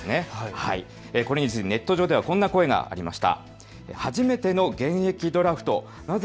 これについてネット上ではこんな声がありました。